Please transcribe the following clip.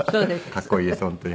かっこいいです本当に。